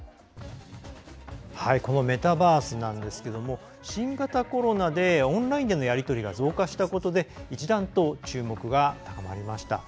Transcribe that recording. このメタバースなんですが新型コロナでオンラインでのやり取りが増加したことで一段と注目が高まりました。